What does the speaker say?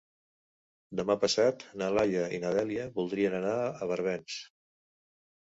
Demà passat na Laia i na Dèlia voldrien anar a Barbens.